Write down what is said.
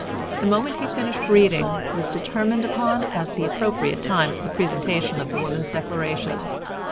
The moment he finished reading was determined upon as the appropriate time for the presentation of the Woman's Declaration.